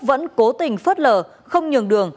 vẫn cố tình phớt lờ không nhường đường